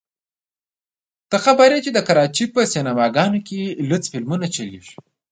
ته خبر يې چې د کراچۍ په سينما ګانو کښې لوڅ فلمونه چلېږي.